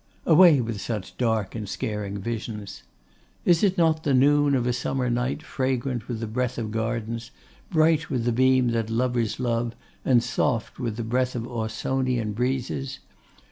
Away with such dark and scaring visions! Is it not the noon of a summer night fragrant with the breath of gardens, bright with the beam that lovers love, and soft with the breath of Ausonian breezes?